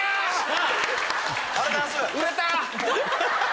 ・ありがとうございます。